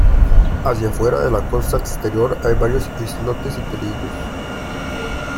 Hacia afuera de la costa exterior hay varios islotes y peligros.